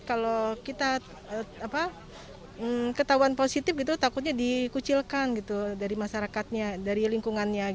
kalau kita ketahuan positif gitu takutnya dikucilkan gitu dari masyarakatnya dari lingkungannya